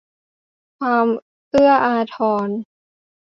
ความเอื้ออาทร